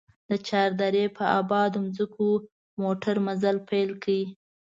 د چار درې په ابادو ځمکو موټر مزل پيل کړ.